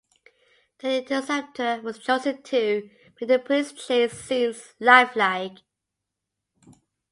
The Interceptor was chosen to make the police chase scenes lifelike.